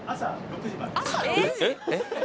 えっ！？